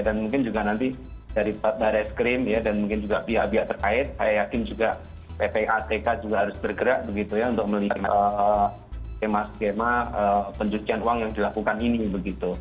dan mungkin juga nanti dari para skrim ya dan mungkin juga pihak pihak terkait saya yakin juga ppatk juga harus bergerak begitu ya untuk melihat tema skema pencucian uang yang dilakukan ini begitu